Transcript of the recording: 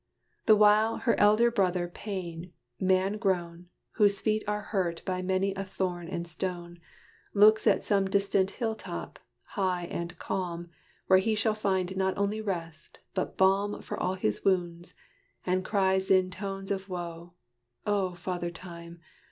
The while her elder brother Pain, man grown, Whose feet are hurt by many a thorn and stone, Looks to some distant hill top, high and calm, Where he shall find not only rest, but balm For all his wounds, and cries in tones of woe, "O Father Time!